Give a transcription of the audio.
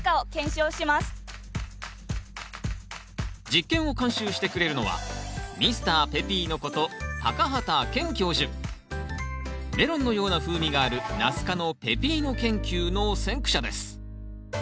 実験を監修してくれるのはメロンのような風味があるナス科のペピーノ研究の先駆者です